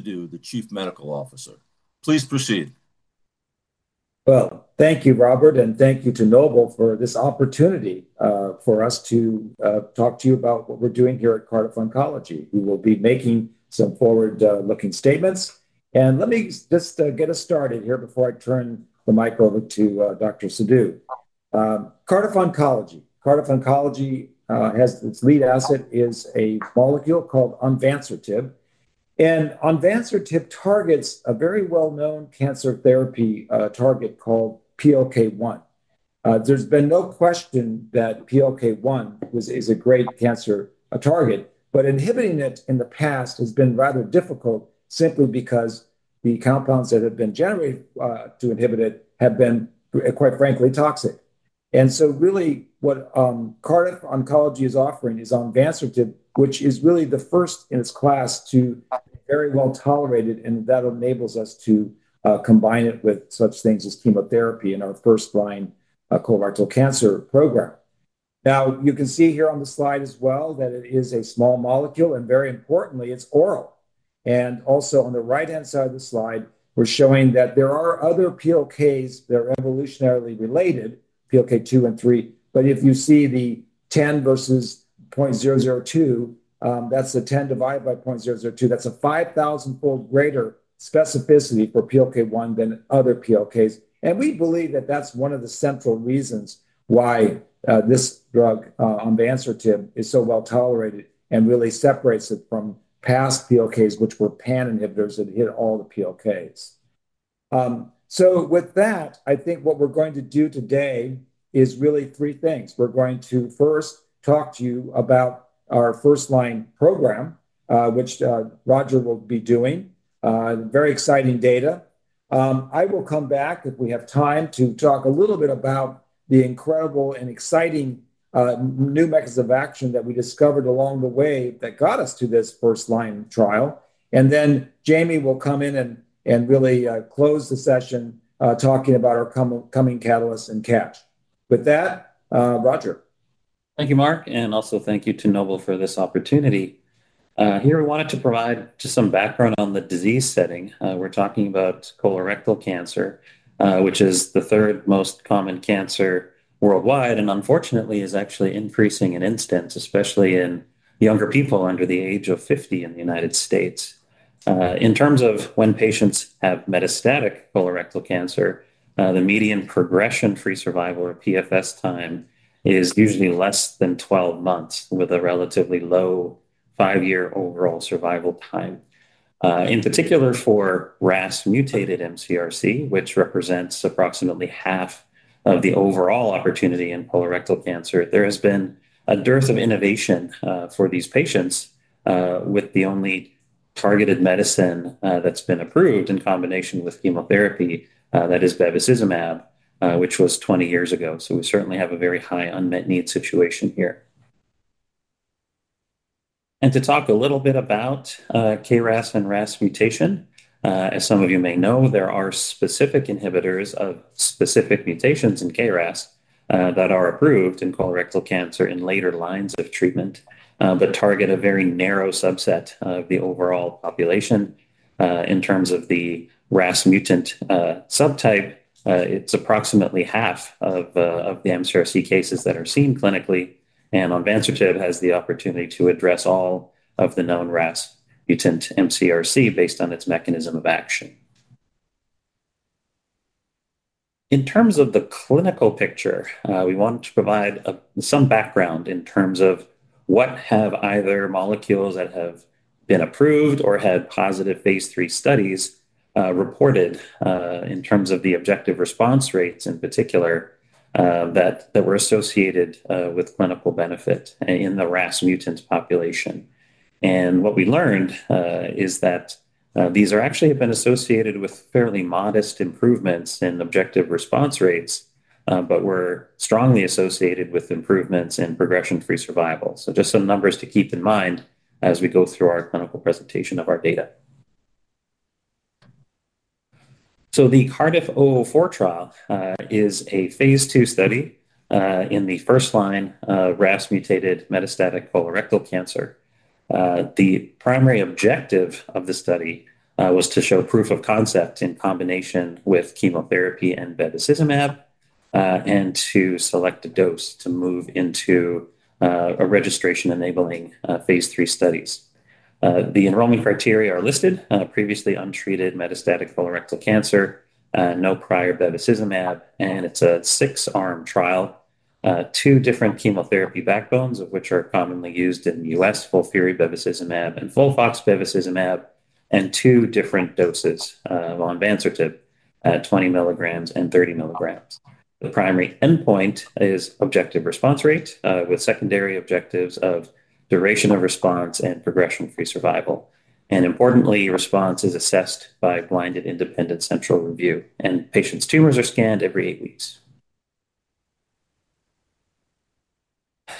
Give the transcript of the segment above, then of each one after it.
Kabbinavar, the Chief Medical Officer. Please proceed. Thank you, Robert, and thank you to Noble for this opportunity for us to talk to you about what we're doing here at Cardiff Oncology. We will be making some forward-looking statements. Let me just get us started here before I turn the mic over to Dr. Fairooz Kabbinavar. Cardiff Oncology has its lead asset, a molecule called onvansertib. Onvansertib targets a very well-known cancer therapy target called PLK1. There is no question that PLK1 is a great cancer target. Inhibiting it in the past has been rather difficult simply because the compounds that have been generated to inhibit it have been, quite frankly, toxic. What Cardiff Oncology is offering is onvansertib, which is really the first in its class to be very well tolerated. That enables us to combine it with such things as chemotherapy in our first-line colorectal cancer program. You can see here on the slide as well that it is a small molecule, and very importantly, it's oral. Also, on the right-hand side of the slide, we're showing that there are other PLKs that are evolutionarily related, PLK2 and PLK3. If you see the 10 versus 0.002, that's the 10 divided by 0.002. That's a 5,000-fold greater specificity for PLK1 than other PLKs. We believe that is one of the central reasons why this drug, onvansertib, is so well tolerated and really separates it from past PLK inhibitors, which were pan-inhibitors that hit all the PLKs. With that, I think what we're going to do today is really three things. We're going to first talk to you about our first-line program, which Dr. Fairooz Kabbinavar will be doing. Very exciting data. I will come back if we have time to talk a little bit about the incredible and exciting new mechanism of action that we discovered along the way that got us to this first-line trial. Then Jamie Lavin will come in and really close the session talking about our coming catalysts in cat. With that, Dr. Fairooz Kabbinavar. Thank you, Mark. Thank you to Noble for this opportunity. Here we wanted to provide just some background on the disease setting. We're talking about colorectal cancer, which is the third most common cancer worldwide. Unfortunately, it is actually increasing in incidence, especially in younger people under the age of 50 in the United States. In terms of when patients have metastatic colorectal cancer, the median progression-free survival or PFS time is usually less than 12 months, with a relatively low five-year overall survival time. In particular, for RAS-mutated MCRC, which represents approximately half of the overall opportunity in colorectal cancer, there has been a dearth of innovation for these patients with the only targeted medicine that's been approved in combination with chemotherapy, that is bevacizumab, which was 20 years ago. We certainly have a very high unmet need situation here. To talk a little bit about KRAS and RAS mutation, as some of you may know, there are specific inhibitors of specific mutations in KRAS that are approved in colorectal cancer in later lines of treatment, but target a very narrow subset of the overall population. In terms of the RAS mutant subtype, it's approximately half of the MCRC cases that are seen clinically. Onvansertib has the opportunity to address all of the known RAS mutant MCRC based on its mechanism of action. In terms of the clinical picture, we wanted to provide some background in terms of what have either molecules that have been approved or had positive phase III studies reported in terms of the objective response rates in particular that were associated with clinical benefit in the RAS mutants population. What we learned is that these are actually been associated with fairly modest improvements in objective response rates, but were strongly associated with improvements in progression-free survival. Just some numbers to keep in mind as we go through our clinical presentation of our data. The CARDIFF-004 trial is a phase II study in the first-line RAS-mutated metastatic colorectal cancer. The primary objective of the study was to show proof of concept in combination with chemotherapy and bevacizumab and to select a dose to move into a registration-enabling phase III studies. The enrollment criteria are listed: previously untreated metastatic colorectal cancer, no prior bevacizumab, and it's a six-arm trial. Two different chemotherapy backbones, which are commonly used in the U.S.: FOLFIRI bevacizumab and FOLFOX bevacizumab. Two different doses of onvansertib, 20mg and 30mg. The primary endpoint is objective response rate, with secondary objectives of duration of response and progression-free survival. Importantly, response is assessed by blinded independent central review, and patients' tumors are scanned every eight weeks.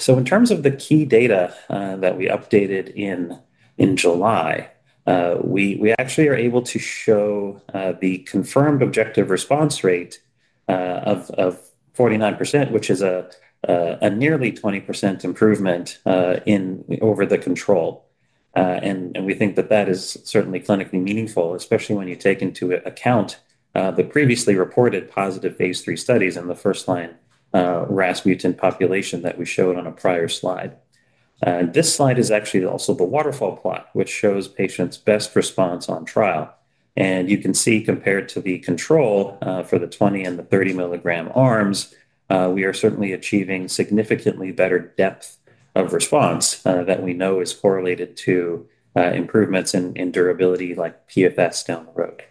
In terms of the key data that we updated in July, we actually are able to show the confirmed objective response rate of 49%, which is a nearly 20% improvement over the control. We think that that is certainly clinically meaningful, especially when you take into account the previously reported positive phase III studies in the first-line RAS-mutated population that we showed on a prior slide. This slide is actually also the waterfall plot, which shows patients' best response on trial. You can see compared to the control for the 20 and the 30mg arms, we are certainly achieving significantly better depth of response that we know is correlated to improvements in durability like PFS down the road.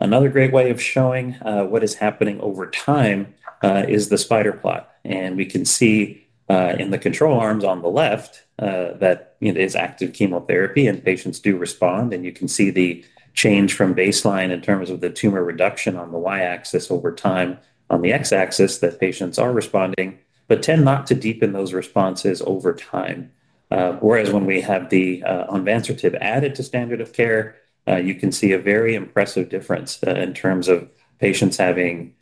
Another great way of showing what is happening over time is the spider plot. We can see in the control arms on the left that it is active chemotherapy and patients do respond. You can see the change from baseline in terms of the tumor reduction on the y-axis over time. On the x-axis, the patients are responding but tend not to deepen those responses over time. When we have the onvansertib added to standard of care, you can see a very impressive difference in terms of patients having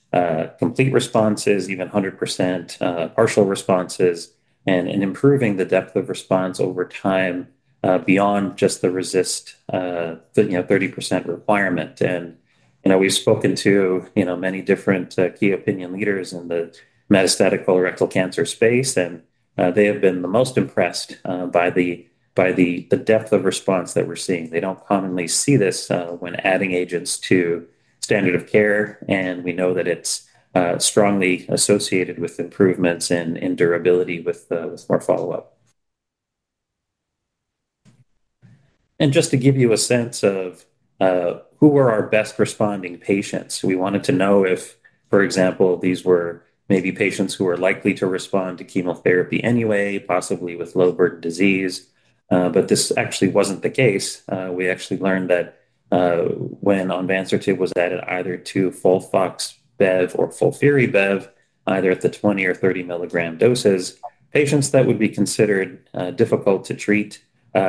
complete responses, even 100% partial responses, and improving the depth of response over time beyond just the RECIST 30% requirement. We've spoken to many different key opinion leaders in the metastatic colorectal cancer space, and they have been the most impressed by the depth of response that we're seeing. They don't commonly see this when adding agents to standard of care. We know that it's strongly associated with improvements in durability with more follow-up. Just to give you a sense of who were our best responding patients, we wanted to know if, for example, these were maybe patients who are likely to respond to chemotherapy anyway, possibly with low burden disease. This actually wasn't the case. We actually learned that when onvansertib was added either to FOLFOX, bevacizumab, or FOLFIRI bevacizumab, either at the 20 or 30mg doses, patients that would be considered difficult to treat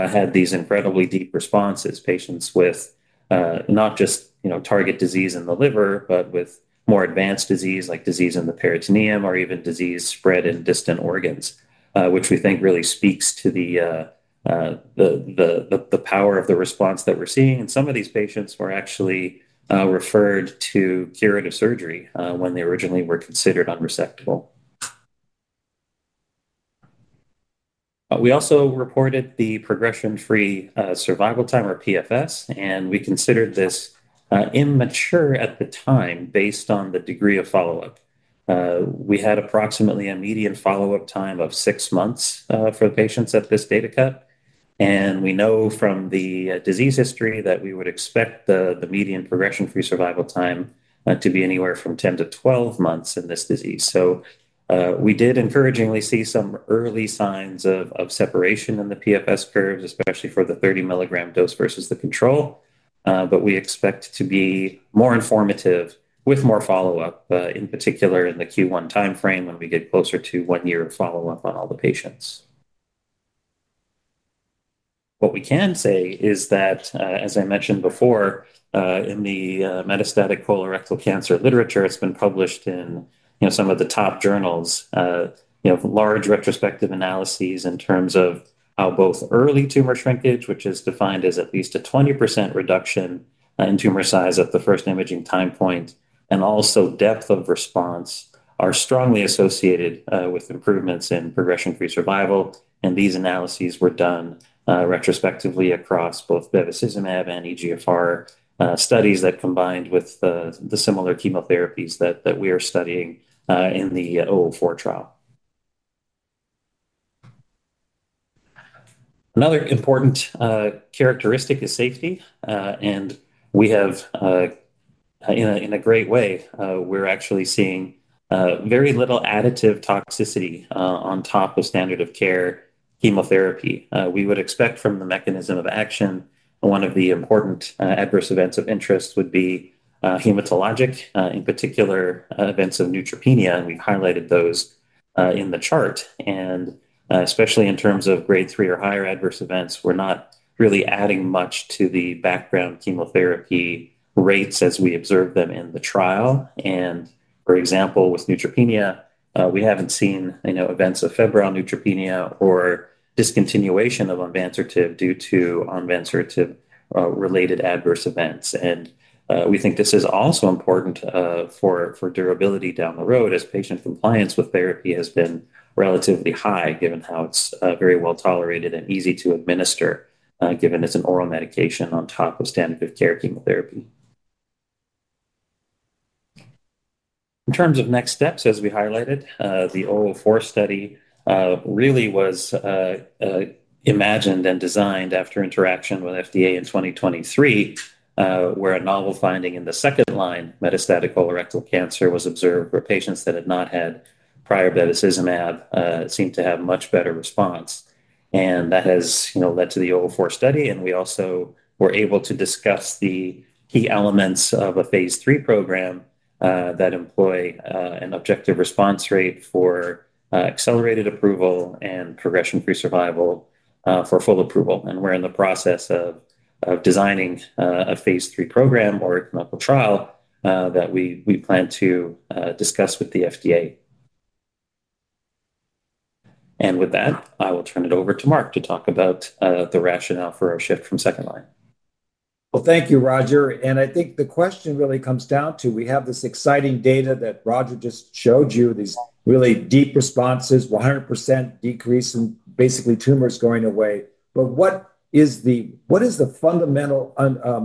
had these incredibly deep responses. Patients with not just target disease in the liver, but with more advanced disease like disease in the peritoneum or even disease spread in distant organs, which we think really speaks to the power of the response that we're seeing. Some of these patients were actually referred to curative surgery when they originally were considered unresectable. We also reported the progression-free survival time, or PFS. We considered this immature at the time based on the degree of follow-up. We had approximately a median follow-up time of six months for patients at this data cut. We know from the disease history that we would expect the median progression-free survival time to be anywhere from 10-12 months in this disease. We did encouragingly see some early signs of separation in the PFS curves, especially for the 30mg dose versus the control. We expect to be more informative with more follow-up, in particular in the Q1 time frame when we get closer to one year of follow-up on all the patients. What we can say is that, as I mentioned before, in the metastatic colorectal cancer literature, it's been published in some of the top journals, large retrospective analyses in terms of how both early tumor shrinkage, which is defined as at least a 20% reduction in tumor size at the first imaging time point, and also depth of response are strongly associated with improvements in progression-free survival. These analyses were done retrospectively across both bevacizumab and EGFR studies that combined with the similar chemotherapies that we are studying in the 004 trial. Another important characteristic is safety. In a great way, we're actually seeing very little additive toxicity on top of standard-of-care chemotherapy. We would expect from the mechanism of action, one of the important adverse events of interest would be hematologic, in particular events of neutropenia. We've highlighted those in the chart. Especially in terms of grade III or higher adverse events, we're not really adding much to the background chemotherapy rates as we observed them in the trial. For example, with neutropenia, we haven't seen events of febrile neutropenia or discontinuation of onvansertib due to onvansertib-related adverse events. We think this is also important for durability down the road as patient compliance with therapy has been relatively high given how it's very well tolerated and easy to administer, given it's an oral medication on top of standard-of-care chemotherapy. In terms of next steps, as we highlighted, the 004 study really was imagined and designed after interaction with the FDA in 2023, where a novel finding in the second-line metastatic colorectal cancer was observed where patients that had not had prior bevacizumab seemed to have much better response. That has led to the 004 study. We also were able to discuss the key elements of a phase III program that employ an objective response rate for accelerated approval and progression-free survival for full approval. We're in the process of designing a phase III program or a clinical trial that we plan to discuss with the FDA. With that, I will turn it over to Mark to talk about the rationale for our shift from second line. Thank you, Roger. I think the question really comes down to we have this exciting data that Roger just showed you, these really deep responses, 100% decrease in basically tumors going away. What is the fundamental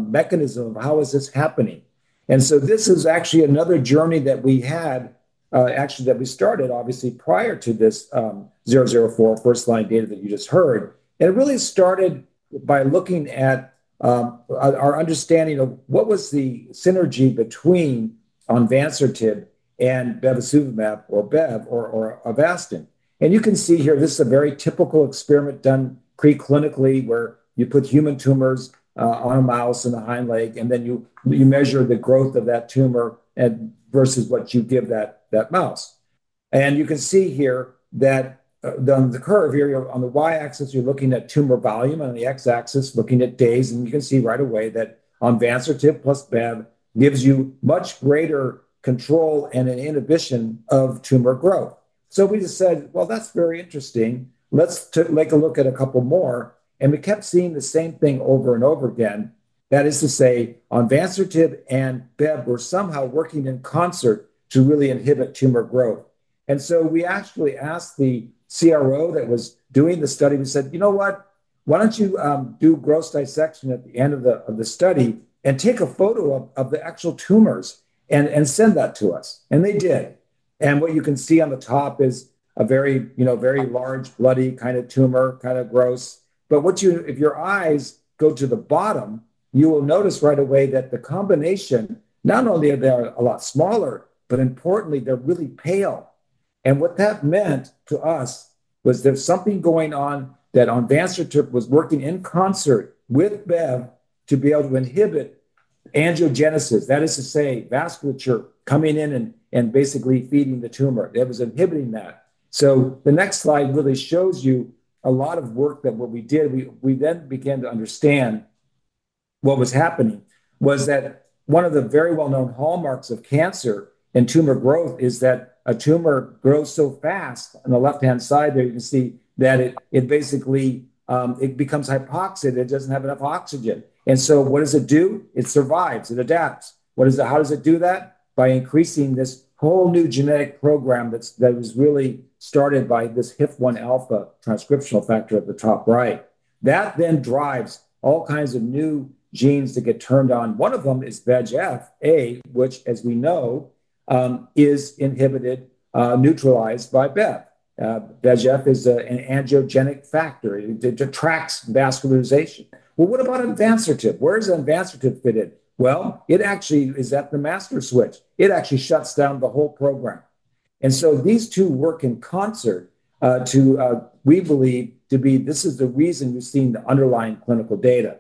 mechanism of how is this happening? This is actually another journey that we had, actually that we started obviously prior to this 004 first-line data that you just heard. It really started by looking at our understanding of what was the synergy between onvansertib and bevacizumab or BEV or Avastin. You can see here, this is a very typical experiment done preclinically where you put human tumors on a mouse in the hind leg. You measure the growth of that tumor versus what you give that mouse. You can see here that on the curve here on the y-axis, you're looking at tumor volume. On the x-axis, looking at days. You can see right away that onvansertib plus BEV gives you much greater control and an inhibition of tumor growth. We just said, that's very interesting. Let's take a look at a couple more. We kept seeing the same thing over and over again. That is to say, onvansertib and BEV were somehow working in concert to really inhibit tumor growth. We actually asked the CRO that was doing the study, we said, you know what? Why don't you do gross dissection at the end of the study and take a photo of the actual tumors and send that to us? They did. What you can see on the top is a very large bloody kind of tumor, kind of gross. If your eyes go to the bottom, you will notice right away that the combination, not only are they a lot smaller, but importantly, they're really pale. What that meant to us was there's something going on that onvansertib was working in concert with BEV to be able to inhibit angiogenesis. That is to say, vasculature coming in and basically feeding the tumor. That was inhibiting that. The next slide really shows you a lot of work that what we did, we then began to understand what was happening was that one of the very well-known hallmarks of cancer and tumor growth is that a tumor grows so fast on the left-hand side there, you can see that it basically becomes hypoxic. It doesn't have enough oxygen. What does it do? It survives. It adapts. How does it do that? By increasing this whole new genetic program that was really started by this HIF1 alpha transcriptional factor at the top right. That then drives all kinds of new genes to get turned on. One of them is VEGFA, which as we know is inhibited, neutralized by bevacizumab. VEGF is an angiogenic factor. It detracts vascularization. What about onvansertib? Where does onvansertib fit in? It actually is at the master switch. It actually shuts down the whole program. These two work in concert to, we believe, to be this is the reason we've seen the underlying clinical data.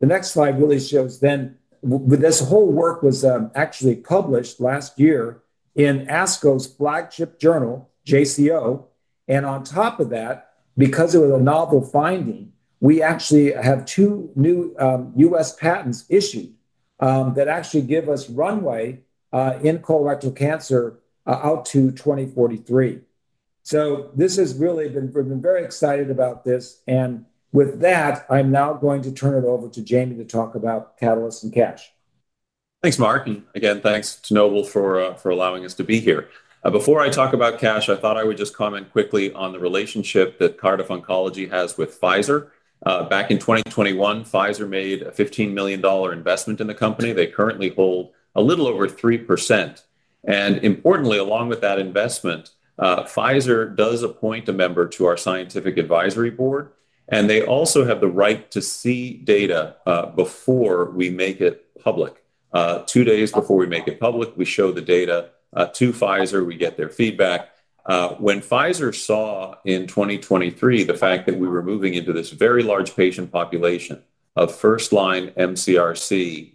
The next slide really shows this whole work was actually published last year in ASCO's flagship journal, JCO. On top of that, because it was a novel finding, we actually have two new U.S. patents issued that actually give us runway in colorectal cancer out to 2043. We've been very excited about this. With that, I'm now going to turn it over to Jamie to talk about Catalysts and Cash. Thanks, Mark. Thanks to Noble for allowing us to be here. Before I talk about cash, I thought I would just comment quickly on the relationship that Cardiff Oncology has with Pfizer. Back in 2021, Pfizer made a $15 million investment in the company. They currently hold a little over 3%. Importantly, along with that investment, Pfizer does appoint a member to our Scientific Advisory Board. They also have the right to see data before we make it public. Two days before we make it public, we show the data to Pfizer. We get their feedback. When Pfizer saw in 2023 the fact that we were moving into this very large patient population of first-line RAS-mutated metastatic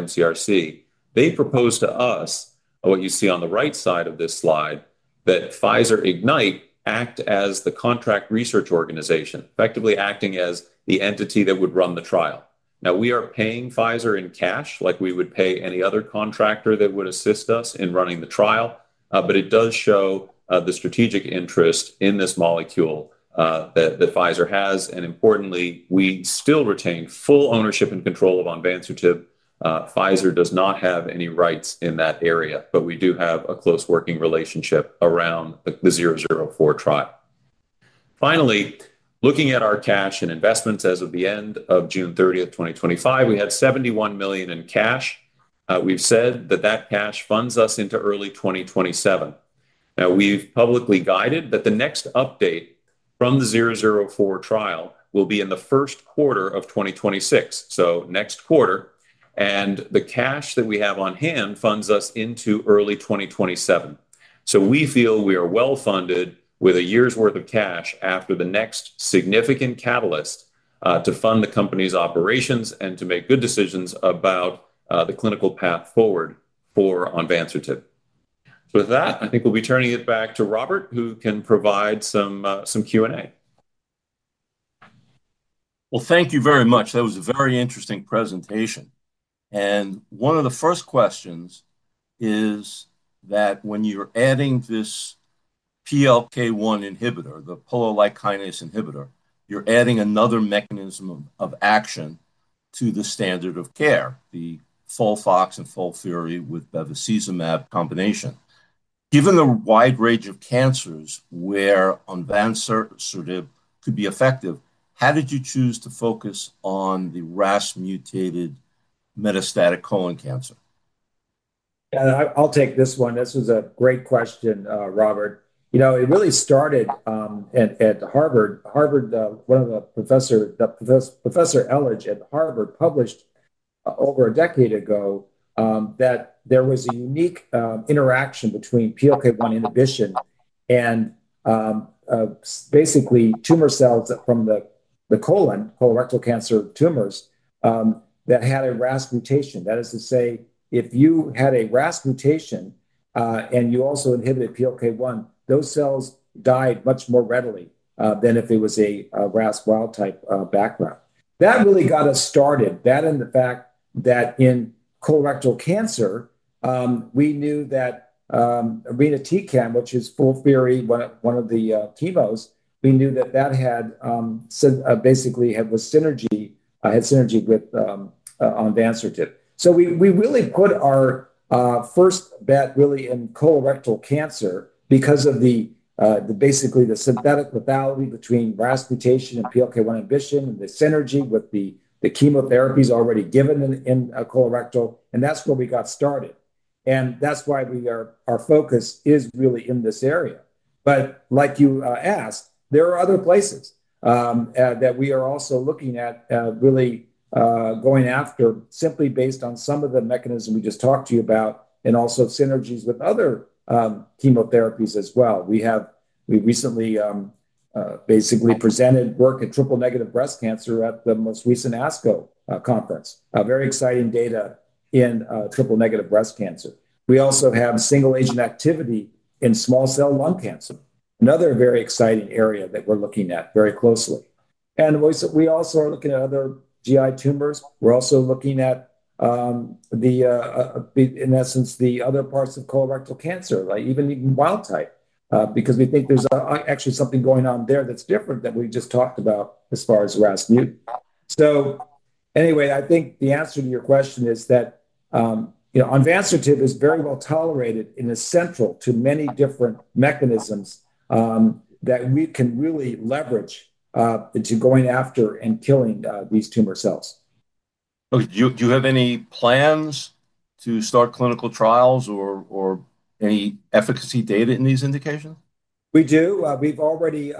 colorectal cancer, they proposed to us what you see on the right side of this slide, that Pfizer Ignite act as the contract research organization, effectively acting as the entity that would run the trial. We are paying Pfizer in cash like we would pay any other contractor that would assist us in running the trial. It does show the strategic interest in this molecule that Pfizer has. Importantly, we still retain full ownership and control of onvansertib. Pfizer does not have any rights in that area. We do have a close working relationship around the phase II CARDIFF-004 trial. Finally, looking at our cash and investments as of the end of June 30, 2025, we had $71 million in cash. We've said that that cash funds us into early 2027. We've publicly guided that the next update from the 004 trial will be in the first quarter of 2026, so next quarter. The cash that we have on hand funds us into early 2027. We feel we are well funded with a year's worth of cash after the next significant catalyst to fund the company's operations and to make good decisions about the clinical path forward for onvansertib. With that, I think we'll be turning it back to Robert, who can provide some Q&A. Thank you very much. That was a very interesting presentation. One of the first questions is that when you're adding this PLK1 inhibitor, the polo-like kinase inhibitor, you're adding another mechanism of action to the standard of care, the FOLFOX and FOLFIRI with bevacizumab combination. Given the wide range of cancers where onvansertib could be effective, how did you choose to focus on the RAS-mutated metastatic colon cancer? Yeah. I'll take this one. This is a great question, Robert. You know, it really started at Harvard. One of the professors, Professor Ellerich at Harvard, published over a decade ago that there was a unique interaction between PLK1 inhibition and basically tumor cells from the colon, colorectal cancer tumors, that had a RAS mutation. That is to say, if you had a RAS mutation and you also inhibited PLK1, those cells died much more readily than if it was a RAS wild type background. That really got us started. That and the fact that in colorectal cancer, we knew that irinotecan, which is FOLFIRI, one of the chemos, we knew that that basically had synergy with onvansertib. We really put our first bet really in colorectal cancer because of basically the synthetic methodology between RAS mutation and PLK1 inhibition and the synergy with the chemotherapies already given in colorectal. That's where we got started. That's why our focus is really in this area. Like you asked, there are other places that we are also looking at really going after simply based on some of the mechanisms we just talked to you about and also synergies with other chemotherapies as well. We recently basically presented work at triple-negative breast cancer at the most recent ASCO conference. Very exciting data in triple-negative breast cancer. We also have single-agent activity in small cell lung cancer, another very exciting area that we're looking at very closely. We also are looking at other GI tumors. We're also looking at, in essence, the other parts of colorectal cancer, like even wild type, because we think there's actually something going on there that's different that we just talked about as far as RAS mutants. I think the answer to your question is that onvansertib is very well tolerated and is central to many different mechanisms that we can really leverage to going after and killing these tumor cells. Do you have any plans to start clinical trials or any efficacy data in these indications? We do. We've already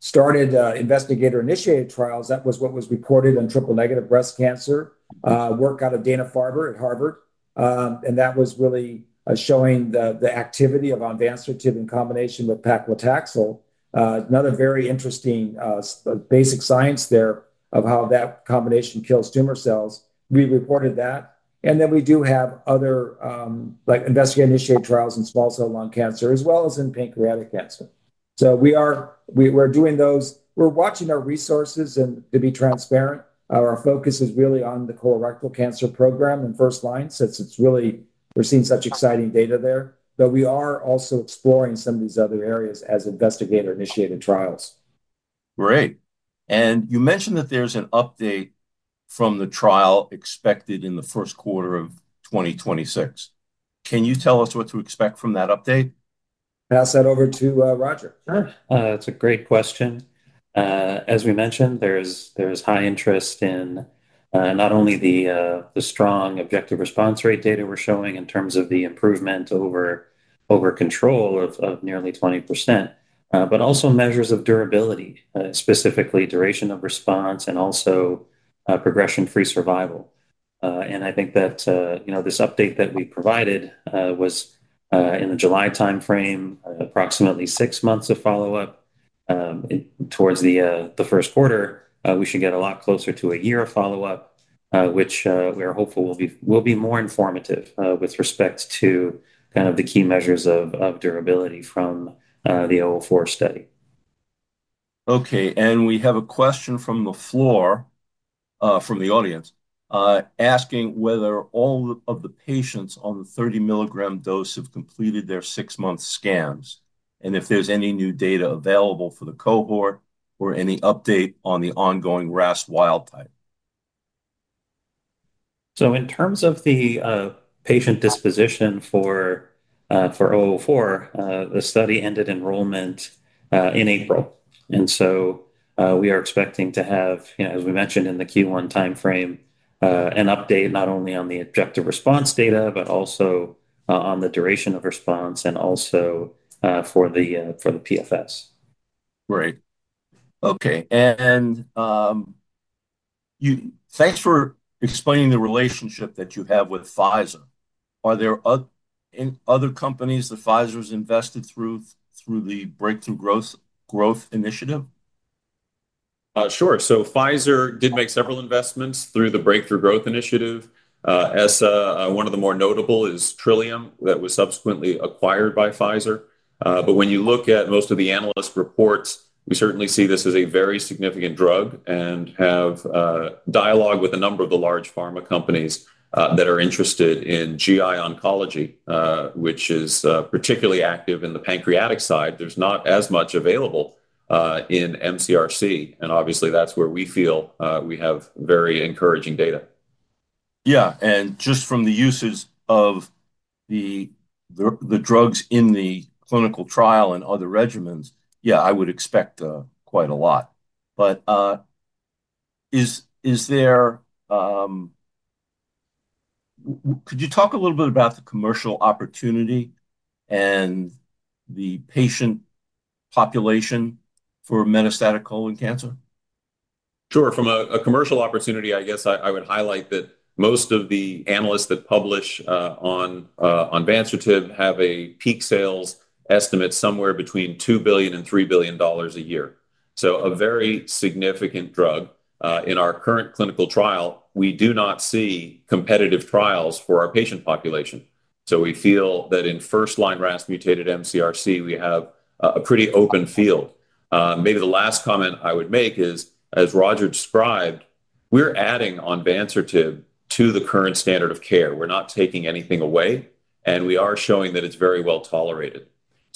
started investigator-initiated trials. That was what was reported in triple-negative breast cancer work out of Dana-Farber at Harvard. That was really showing the activity of onvansertib in combination with paclitaxel, another very interesting basic science there of how that combination kills tumor cells. We reported that. We do have other investigator-initiated trials in small cell lung cancer as well as in pancreatic cancer. We're doing those. We're watching our resources. To be transparent, our focus is really on the colorectal cancer program in first line since we're seeing such exciting data there. We are also exploring some of these other areas as investigator-initiated trials. Great. You mentioned that there's an update from the trial expected in the first quarter of 2026. Can you tell us what to expect from that update? Pass that over to Robert. That's a great question. As we mentioned, there's high interest in not only the strong objective response rate data we're showing in terms of the improvement over control of nearly 20%, but also measures of durability, specifically duration of response and also progression-free survival. I think that this update that we provided was in the July time frame, approximately six months of follow-up. Towards the first quarter, we should get a lot closer to a year of follow-up, which we are hopeful will be more informative with respect to kind of the key measures of durability from the 004 study. OK. We have a question from the floor from the audience asking whether all of the patients on the 30 milligram dose have completed their six-month scans, and if there's any new data available for the cohort or any update on the ongoing RAS wild type. In terms of the patient disposition for 004, the study ended enrollment in April. We are expecting to have, as we mentioned in the Q1 time frame, an update not only on the objective response data but also on the duration of response and also for the PFS. Great. OK. Thanks for explaining the relationship that you have with Pfizer. Are there other companies that Pfizer has invested through the Breakthrough Growth Initiative? Sure. Pfizer did make several investments through the Breakthrough Growth Initiative. One of the more notable is Trillium that was subsequently acquired by Pfizer. When you look at most of the analyst reports, we certainly see this as a very significant drug and have a dialogue with a number of the large pharma companies that are interested in GI oncology, which is particularly active in the pancreatic side. There's not as much available in MCRC. Obviously, that's where we feel we have very encouraging data. Yeah. Just from the usage of the drugs in the clinical trial and other regimens, yeah, I would expect quite a lot. Could you talk a little bit about the commercial opportunity and the patient population for metastatic colon cancer? Sure. From a commercial opportunity, I guess I would highlight that most of the analysts that publish on onvansertib have a peak sales estimate somewhere between $2 billion and $3 billion a year. A very significant drug. In our current clinical trial, we do not see competitive trials for our patient population. We feel that in first-line RAS-mutated MCRC, we have a pretty open field. Maybe the last comment I would make is, as Robert described, we're adding onvansertib to the current standard of care. We're not taking anything away. We are showing that it's very well tolerated.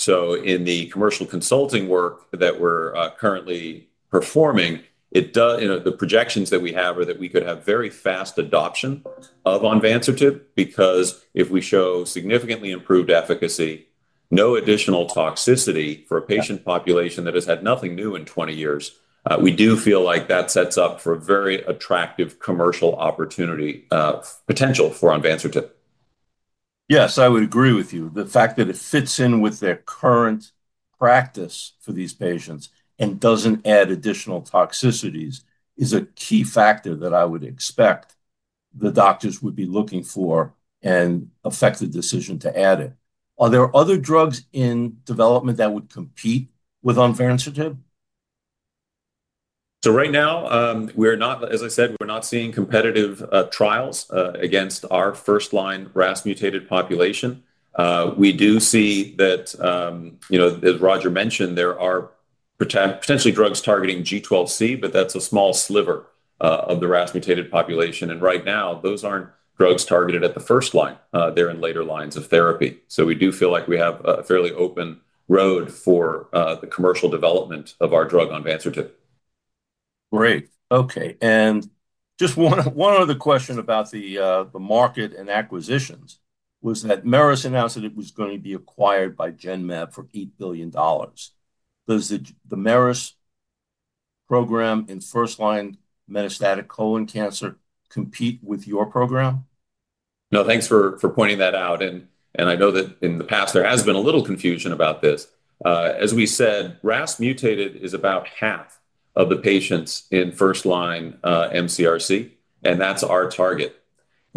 In the commercial consulting work that we're currently performing, the projections that we have are that we could have very fast adoption of onvansertib because if we show significantly improved efficacy, no additional toxicity for a patient population that has had nothing new in 20 years, we do feel like that sets up for a very attractive commercial opportunity potential for onvansertib. Yes, I would agree with you. The fact that it fits in with their current practice for these patients and doesn't add additional toxicities is a key factor that I would expect the doctors would be looking for and affect the decision to add it. Are there other drugs in development that would compete with onvansertib? Right now, as I said, we're not seeing competitive trials against our first-line RAS-mutated population. We do see that, as Roger mentioned, there are potentially drugs targeting G12C, but that's a small sliver of the RAS-mutated population. Right now, those aren't drugs targeted at the first line. They're in later lines of therapy. We do feel like we have a fairly open road for the commercial development of our drug onvansertib. Great. OK. Just one other question about the market and acquisitions was that Meris announced that it was going to be acquired by GenMed for $8 billion. Does the Meris program in first-line metastatic colon cancer compete with your program? Thanks for pointing that out. I know that in the past, there has been a little confusion about this. As we said, RAS-mutated is about 50% of the patients in first-line MCRC, and that's our target.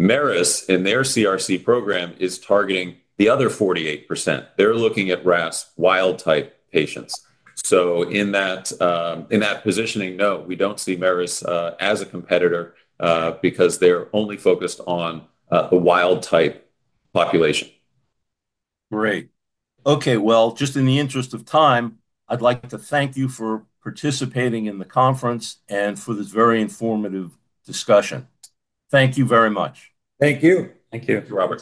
Meris, in their CRC program, is targeting the other 48%. They're looking at RAS wild type patients. In that positioning, we don't see Meris as a competitor because they're only focused on the wild type population. Great. OK. In the interest of time, I'd like to thank you for participating in the conference and for this very informative discussion. Thank you very much. Thank you. Thank you. Thank you, Robert.